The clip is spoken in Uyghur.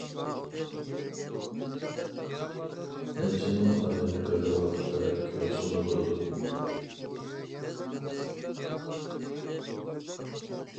نەچچە مىڭ ئادەم بىرلا ۋاقىتتا كۆرسىمۇ بولىدۇ.